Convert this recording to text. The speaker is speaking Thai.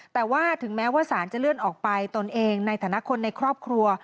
แต่ว่าถึงแม้ว่าสารจะเลื่อนออกไปตนเองในฐานะคนในครอบครัว